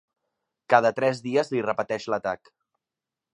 Cada tres dies li repeteix l'atac.